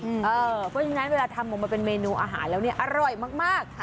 เพราะฉะนั้นเวลาทำออกมาเป็นเมนูอาหารแล้วเนี่ยอร่อยมาก